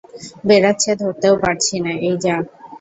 বেড়াচ্ছে, ধরতেও পারছিনে, এই যা।